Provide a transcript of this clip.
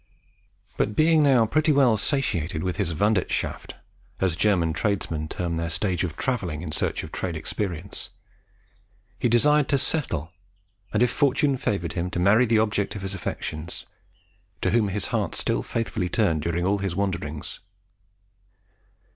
But, being now pretty well satiated with his "wandetschaft," as German tradesmen term their stage of travelling in search of trade experience, he desired to settle, and, if fortune favoured him, to marry the object of his affections, to whom his heart still faithfully turned during all his wanderings.